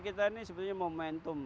g dua puluh kita ini sebetulnya momentum